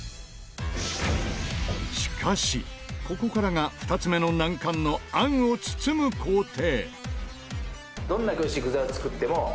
しかしここからが２つ目の難関の餡を包む工程。